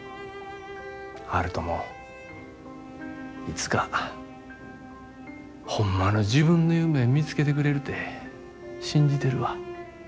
悠人もいつかホンマの自分の夢見つけてくれるて信じてるわ。